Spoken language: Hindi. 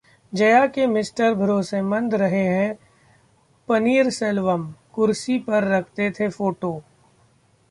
जया के 'मिस्टर भरोसेमंद' रहे हैं पनीरसेल्वम, कुर्सी पर रखते थे फोटो